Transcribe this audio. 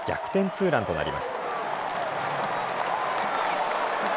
ツーランとなります。